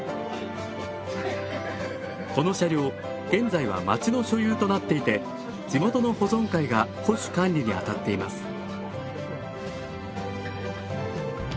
この車両現在は町の所有となっていて地元の保存会が保守管理に当たっています。